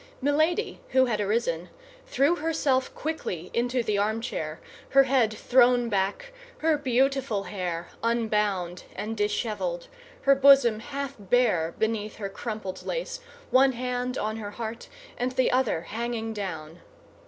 Milady, who had arisen, threw herself quickly into the armchair, her head thrown back, her beautiful hair unbound and disheveled, her bosom half bare beneath her crumpled lace, one hand on her heart, and the other hanging down.